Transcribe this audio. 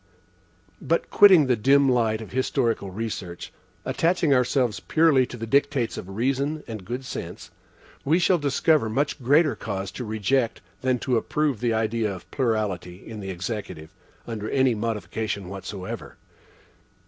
But quitting the dim light of historical research, attaching ourselves purely to the dictates of reason and good sense, we shall discover much greater cause to reject than to approve the idea of plurality in the Executive, under any modification whatever.